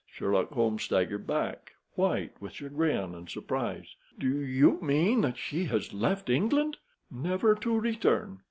Sherlock Holmes staggered back, white with chagrin and surprise. "Do you mean that she has left England?" "Never to return."